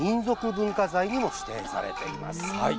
文化財にも指定されています。